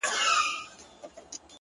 څښل مو تويول مو شرابونه د جلال;